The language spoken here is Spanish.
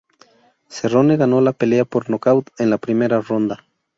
Cerrone ganó la pelea por nocaut en la primera ronda.